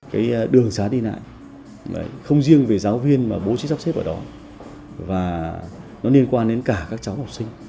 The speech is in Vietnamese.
cái đường xá đi lại không riêng về giáo viên mà bố trí sắp xếp ở đó và nó liên quan đến cả các cháu học sinh